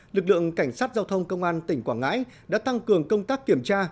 lực lượng cảnh sát giao thông công an tỉnh quảng ngãi đã tăng cường công tác kiểm tra